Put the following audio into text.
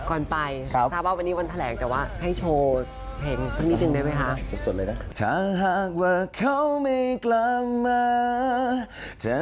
ก่อนไปทราบว่าวันนี้วันแถลงแต่ว่าให้โชว์เพลงสักนิดนึงได้ไหมคะ